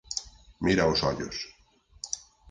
Mira os ollos.